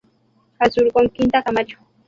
Al sur, con Quinta Camacho.